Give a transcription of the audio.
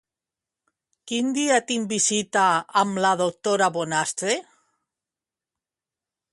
Quin dia tinc visita amb la doctora Bonastre?